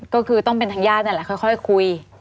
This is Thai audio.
ก็คือต้องเป็นทางญาตินั่นแหละค่อยคุย